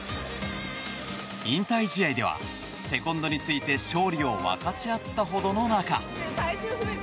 引退試合ではセコンドについて勝利を分かち合ったほどの仲。